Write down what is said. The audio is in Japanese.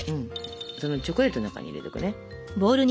そのチョコレートの中に入れていくね。